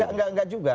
nggak nggak juga